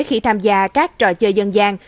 khi tham gia các trò chơi dân gian